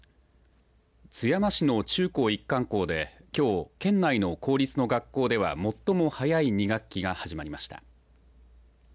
津山市の中高一貫校できょう、県内の公立の学校では最も早い２学期が始まりました。